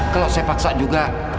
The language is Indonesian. kalau saya paksa juga